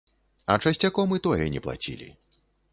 А часцяком і тое не плацілі.